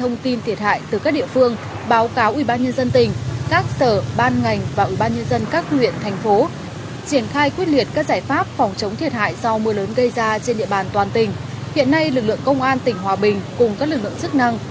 hôm nay lực lượng công an tỉnh hòa bình cùng các lực lượng chức năng